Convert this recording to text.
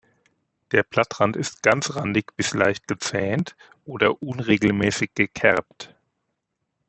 Der Blattrand ist ganzrandig bis leicht gezähnt oder unregelmäßig gekerbt.